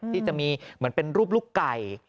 ที่จะมีเหมือนเป็นรูปลูกไก่